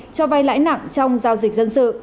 cho vay lãi nặng trong giao dịch dân sự